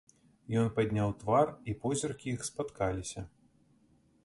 Ён падняў твар, і позіркі іх спаткаліся.